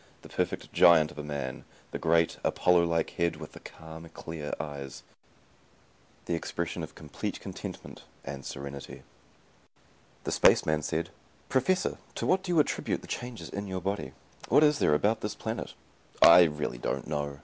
The perfect giant of a man; the great, Apollo like head with the calm, clear eyes; the expression of complete contentment and serenity. The space man said, "Professor to what do you attribute the changes in your body. What is there about this planet ?" "I really don't know."